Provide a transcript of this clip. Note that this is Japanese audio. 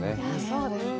そうですね。